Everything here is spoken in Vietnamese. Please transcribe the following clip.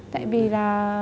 tại vì là